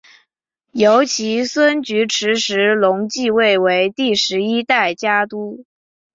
由其孙菊池时隆继位为第十一代家督。